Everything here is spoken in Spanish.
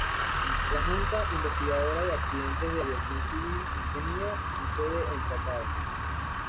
La Junta Investigadora de Accidentes de Aviación Civil tenía su sede en Chacao.